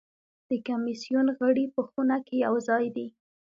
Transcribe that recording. د کمېسیون غړي په خونه کې یوازې دي.